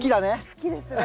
好きですね。